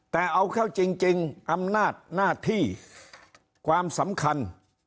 แต่เอาเข้าจริงอำนาจหน้าที่ความสำคัญ